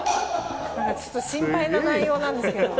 ちょっと心配な内容なんですけど。